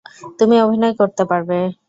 তুমি অভিনয় করতে পারবে।